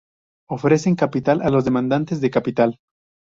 Ofrecen capital a los demandantes de capital.